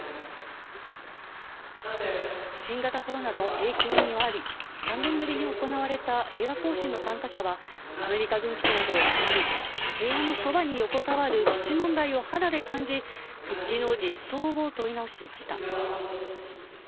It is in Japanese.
新型コロナの影響もあり３年ぶりに行われた平和行進の参加者はアメリカ軍基地などを回り平和のそばに横たわる基地問題を肌で感じ復帰の実相を問い直していました。